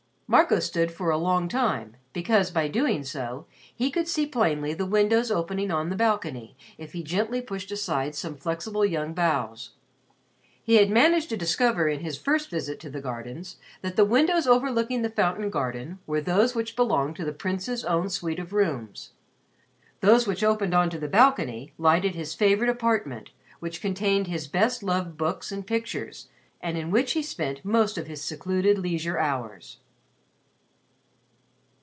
Marco stood for a long time because, by doing so, he could see plainly the windows opening on the balcony if he gently pushed aside some flexible young boughs. He had managed to discover in his first visit to the gardens that the windows overlooking the Fountain Garden were those which belonged to the Prince's own suite of rooms. Those which opened on to the balcony lighted his favorite apartment, which contained his best loved books and pictures and in which he spent most of his secluded leisure hours.